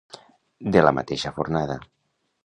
De la mateixa fornada.